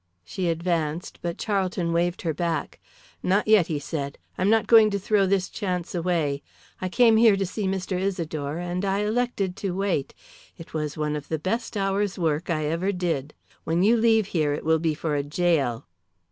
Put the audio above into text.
She advanced, but Charlton waved her back. "Not yet," he said. "I am not going to throw this chance away. I came here to see Mr. Isidore, and I elected to wait. It was one of the best hour's work I ever did. When you leave here it will be for a gaol."